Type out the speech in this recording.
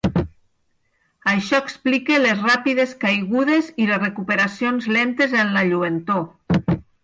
Això explica les ràpides caigudes i les recuperacions lentes en la lluentor.